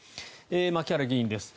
牧原議員です。